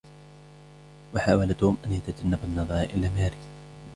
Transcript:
حاول توم أن يتجنب النظر إلى ماري.